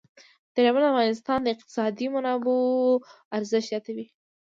دریابونه د افغانستان د اقتصادي منابعو ارزښت زیاتوي.